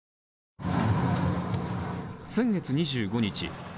先月２５日。